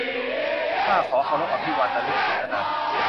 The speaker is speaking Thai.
ข้าขอเคารพอภิวันท์ ระลึกคุณอนันต์